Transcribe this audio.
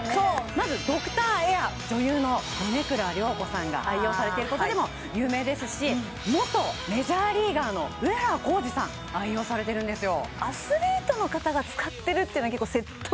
まずドクターエア女優の米倉涼子さんが愛用されていることでも有名ですし元メジャーリーガーの上原浩治さん愛用されてるんですよ